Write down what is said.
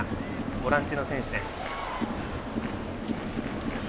ボランチの選手です。